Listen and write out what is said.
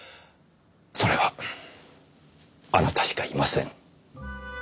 それはあなたしかいません。